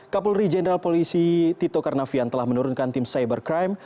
kapolri jenderal polisi tito karnavian telah menurunkan tim cybercrime